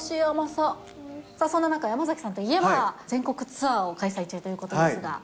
さあ、そんな中、山崎さんといえば、全国ツアーを開催中ということですが。